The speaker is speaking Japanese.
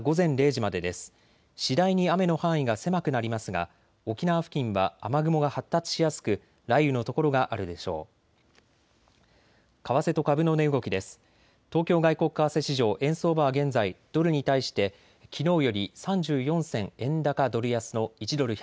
次第に雨の範囲が狭くなりますが沖縄付近は雨雲が発達しやすく雷雨の所があるでしょう。